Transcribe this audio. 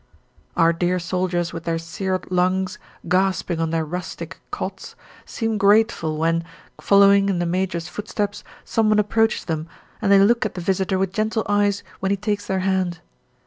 Our dear soldiers with their seared lungs, gasping on their "rustic" cots, seem grateful when, following in the major's footsteps, someone approaches them, and they look at the visitor with gentle eyes when he takes their hand.